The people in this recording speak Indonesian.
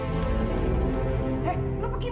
memetas selama ini begini